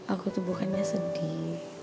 aku tuh bukannya sedih